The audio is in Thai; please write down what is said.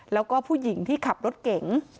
แล้วก็ผู้หญิงที่ขับรถเก๋ง